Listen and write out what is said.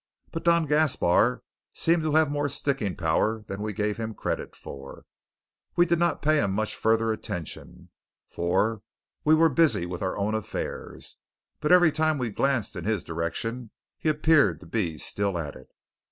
But Don Gaspar seemed to have more sticking power than we gave him credit for. We did not pay him much further attention, for we were busy with our own affairs; but every time we glanced in his direction he appeared to be still at it.